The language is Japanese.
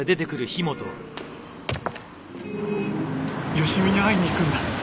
佳美に会いに行くんだ。